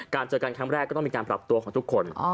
เจอกันครั้งแรกก็ต้องมีการปรับตัวของทุกคน